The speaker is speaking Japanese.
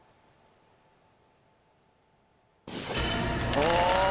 お！